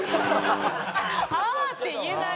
「ああー！」って言えない。